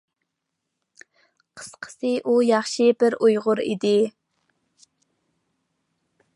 قىسقىسى ئۇ ياخشى بىر ئۇيغۇر ئىدى.